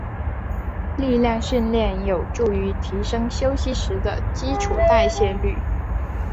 力量训练有助于提升休息时的基础代谢率。